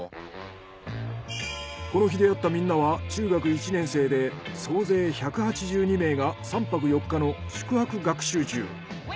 この日出会ったみんなは中学１年生で総勢１８２名が３泊４日の宿泊学習中。